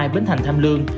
bến thành tham lương